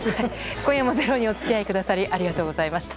今夜も「ｚｅｒｏ」にお付き合いくださりありがとうございました。